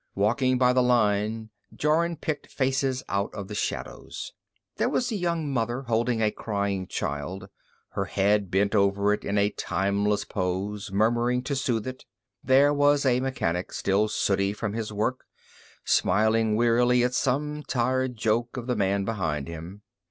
Walking by the line, Jorun picked faces out of the shadows. There was a young mother holding a crying child, her head bent over it in a timeless pose, murmuring to soothe it. There was a mechanic, still sooty from his work, smiling wearily at some tired joke of the man behind him.